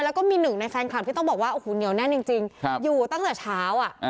แล้วก็มีหนึ่งในแฟนคลับที่ต้องบอกว่าโอ้โหเหนียวแน่นจริงอยู่ตั้งแต่เช้า